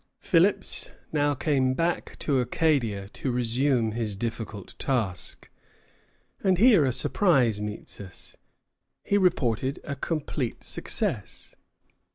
Philipps now came back to Acadia to resume his difficult task. And here a surprise meets us. He reported a complete success.